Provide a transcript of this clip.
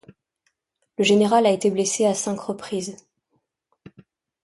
Le général a été blessé à cinq reprises.